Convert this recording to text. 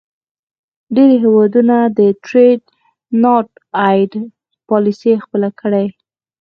ډیری هیوادونو د Trade not aid پالیسي خپله کړې.